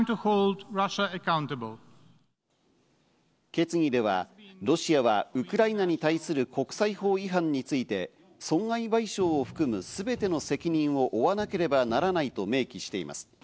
決議ではロシアはウクライナに対する国際法違反について、損害賠償を含むすべての責任を負わなければならないと明記しています。